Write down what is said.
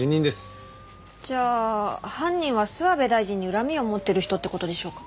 じゃあ犯人は諏訪部大臣に恨みを持ってる人って事でしょうか？